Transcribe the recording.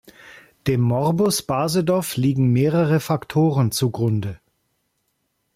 Dem Morbus Basedow liegen mehrere Faktoren zu Grunde.